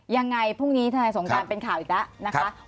ยังไงพรุ่งนี้ทนายสงการเป็นข่าวอีกแล้วนะคะ